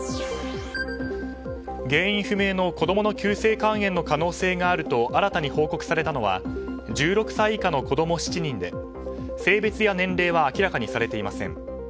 原因不明の子供の急性肝炎の可能性があると新たに報告されたのは１６歳以下の子供７人で性別や年齢は明らかにされていません。